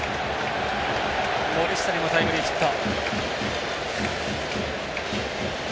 森下にもタイムリーヒット。